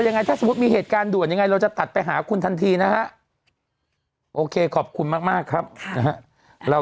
ทางกลุ่มมวลชนทะลุฟ้าทางกลุ่มมวลชนทะลุฟ้า